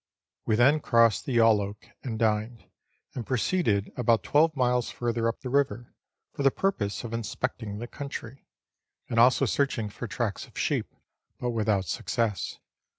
We then crossed the Yalloak and dined, and proceeded about twelve miles further up the river, for the purpose of inspecting the country, and also searching for tracks of sheep, but without success.